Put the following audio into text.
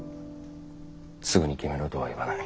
すぐに決めろとは言わない。